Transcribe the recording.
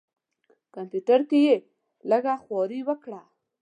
کمپیوټر کې یې لږه خواري وکړه.